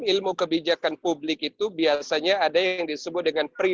ilmu kebijakan publik itu biasanya ada yang disebut dengan pri